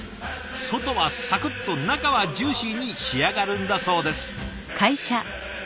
外はサクッと中はジューシーに仕上がるんだそうです。